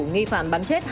nghi phạm bắn chết